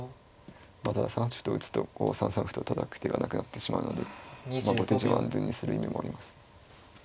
まあただ３八歩と打つと３三歩とたたく手がなくなってしまうので後手陣を安全にする意味もあります。